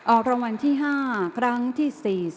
ออกรางวัลที่๕ครั้งที่๔๐